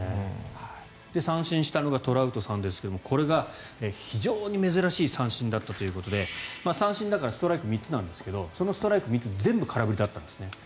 三振したのがトラウトさんですがこれが非常に珍しい三振だったということで三振だからストライク３つなんですがそのストライク３つ全部空振りだったんですね。